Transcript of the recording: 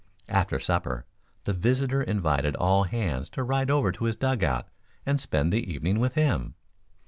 After supper, the visitor invited all hands to ride over to his dug out and spend the evening with him.